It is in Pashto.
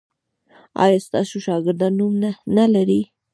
ایا ستاسو شاګردان نوم نلري؟